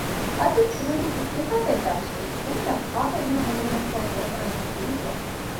އަދިވެސް ހުރީތަ؟ ފިހާރައަށް ދާށޭ! އާމިނާ ބާރަކަށް އެހެން ބުނެލުމަށްފަހު ގެއަށް ވަނީ ކުދި ކިޔަމުން